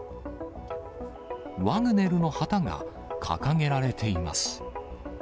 ワグネルの旗が掲げられています。